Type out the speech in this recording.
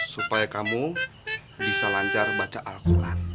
supaya kamu bisa lancar baca al quran